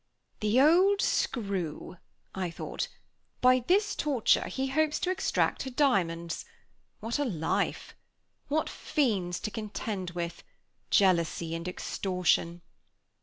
"The old screw!" I thought. "By this torture, he hopes to extract her diamonds. What a life! What fiends to contend with jealousy and extortion!"